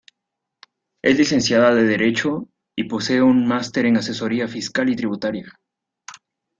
Es licenciada en Derecho y posee un máster en Asesoría Fiscal y Tributaria.